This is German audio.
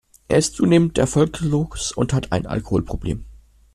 Er ist zunehmend erfolglos und hat ein Alkoholproblem.